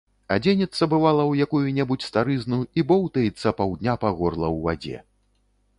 Адзенецца, бывала, у якую-небудзь старызну і боўтаецца паўдня па горла ў вадзе.